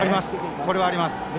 これはあります。